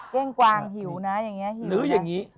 เก้ฯกวารหิวน้าเหลืออย่างงี้